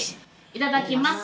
いただきます。